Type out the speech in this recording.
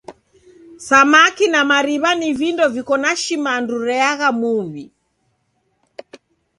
Samaki na mariw'a ni vindo viko na shimandu reagha muw'i.